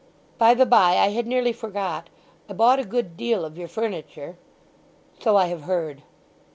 "By the bye, I had nearly forgot. I bought a good deal of your furniture. "So I have heard."